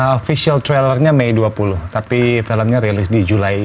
official trailernya mei dua puluh tapi filmnya rilis di julai dua puluh dua